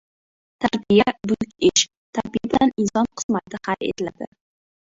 Tarbiya — buyuk ish: tarbiya bilan inson qismati hal etiladi.